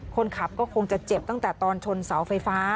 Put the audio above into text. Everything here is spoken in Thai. คนขับก็คงจะเจ็บตั้งแต่ตอนชนเสาไฟฟ้า